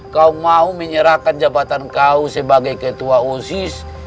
kau mau menyerahkan jabatan kau sebagai ketua osis